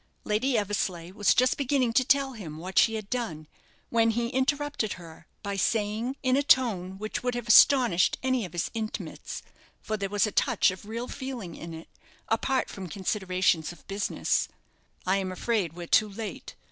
Lady Eversleigh was just beginning to tell him what she had done, when he interrupted her, by saying, in a tone which would have astonished any of his intimates, for there was a touch of real feeling in it, apart from considerations of business "I'm afraid we're too late.